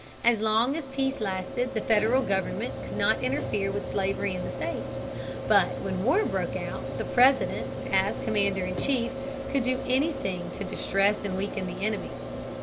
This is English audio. As long as peace lasted the Federal government could not interfere with slavery in the states. But when war broke out, the President, as commander in chief, could do anything to distress and weaken the enemy.